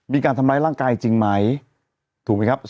๑มีการทำร้ายร่างกายจริงไหม